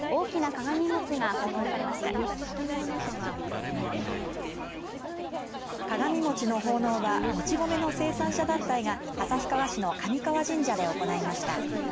鏡餅の奉納はもち米の生産者団体が旭川市の上川神社で行いました。